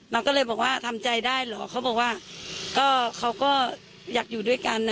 เราก็เลยบอกว่าทำใจได้เหรอเขาบอกว่าก็เขาก็อยากอยู่ด้วยกันนะ